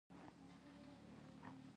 • د یو نوي پیل لپاره کښېنه.